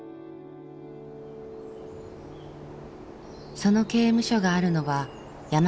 その刑務所があるのは山口県。